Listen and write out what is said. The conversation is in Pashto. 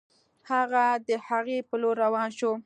هغه د هغې په لور روان شو